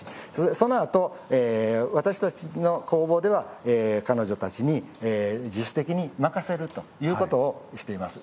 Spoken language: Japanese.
そのあと、私たちの工房では彼女たちに自主的に任せるということをしています。